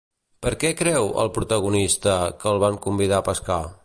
Per què creu, el protagonista, que el van convidar a pescar?